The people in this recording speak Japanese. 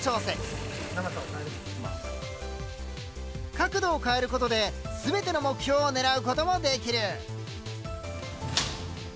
角度を変えることで全ての目標を狙うこともできる。